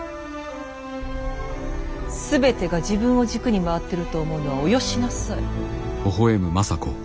全てが自分を軸に回ってると思うのはおよしなさい。